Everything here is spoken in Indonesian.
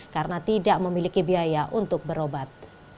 karena tidak memiliki biaya untuk berobat